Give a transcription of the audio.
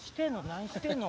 何してんの？